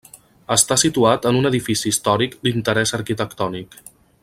Està situat en un edifici històric d'interès arquitectònic.